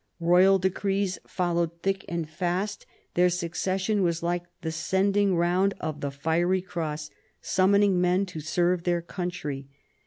Royal decrees followed thick and fast ; their succession was like the sending round of the Fiery Cross, summoning men to serve their country.